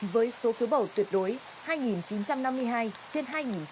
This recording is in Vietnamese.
với số thứ bầu tuyệt đối hai chín trăm năm mươi hai trên hai chín trăm năm mươi hai